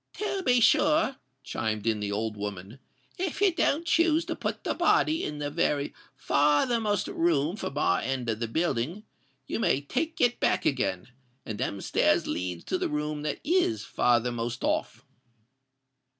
"To be sure," chimed in the old woman: "if you don't choose to put the body in the very farthermost room from our end of the building, you may take it back again; and them stairs leads to the room that is farthermost off."